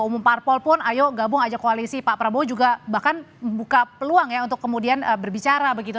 umum parpol pun ayo gabung aja koalisi pak prabowo juga bahkan membuka peluang ya untuk kemudian berbicara begitu